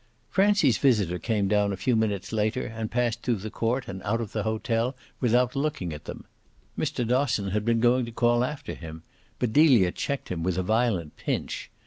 Francie's visitor came down a few minutes later and passed through the court and out of the hotel without looking at them. Mr. Dosson had been going to call after him, but Delia checked him with a violent pinch.